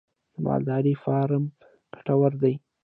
د مالدارۍ فارم ګټور دی؟